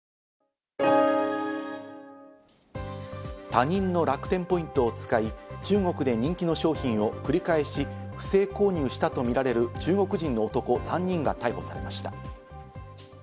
他人の楽天ポイントを使い、中国で人気の商品を繰り返し不正購入したとみられる中国人の男３人が逮捕されました。